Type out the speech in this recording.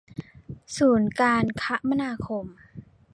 ศูนย์การคมนาคม